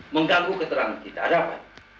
mengganggu keterangan kita ada apa